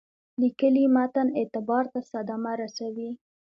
لیکلي متن اعتبار ته صدمه رسوي.